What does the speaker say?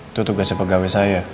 itu tugasnya pegawai saya